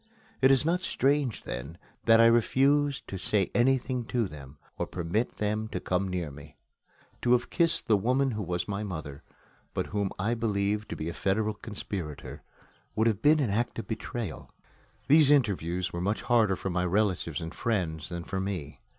It is not strange, then, that I refused to say anything to them, or to permit them to come near me. To have kissed the woman who was my mother, but whom I believed to be a federal conspirator, would have been an act of betrayal. These interviews were much harder for my relatives and friends than for me.